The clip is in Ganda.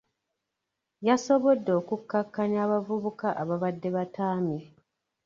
Yasobodde okukakkanya abavubuka ababadde bataamye.